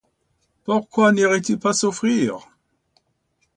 Pourquoi n’irait-il pas s’offrir ?